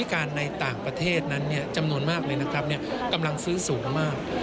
กำลังซื้อสูงมาก